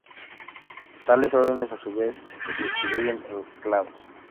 Tales órdenes, a su vez, se distribuyen en clados.